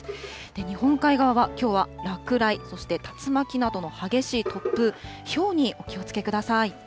日本海側はきょうは落雷、そして竜巻などの激しい突風、ひょうにお気をつけください。